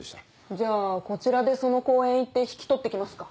じゃあこちらでその公園行って引き取って来ますか。